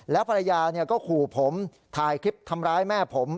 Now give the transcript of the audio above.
แล้วภรรยาก็ขู่ผมถ่ายคลิปทำร้ายแม่ผม